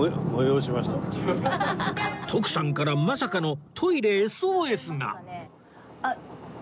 徳さんからまさかのトイレ ＳＯＳ が！